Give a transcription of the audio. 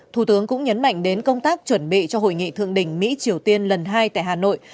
thủ tướng cũng nhấn mạnh đến công tác chuẩn bị cho hội nghị thượng đỉnh mỹ triều tiên lần hai tại hà nội